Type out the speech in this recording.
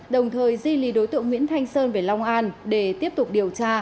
đồng thời di lý đối tượng nguyễn thanh sơn về long an để tiếp tục điều tra